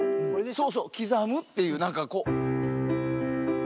そうそう刻むっていうなんかこう。